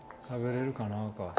「食べれるかな」か。